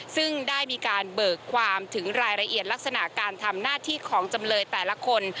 ซึ่งได้มีการเบิกความถึงรายละเอียดลักษณะการทำหน้าที่ของจำเลยแต่ละคน